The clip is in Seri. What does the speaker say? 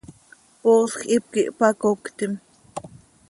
¡Poosj hipquih hpacoctim!